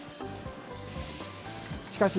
しかし、